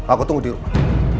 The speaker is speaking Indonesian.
aku tunggu di rumah